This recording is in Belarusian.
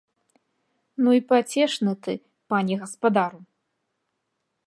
Ну і пацешны ты, пане гаспадару!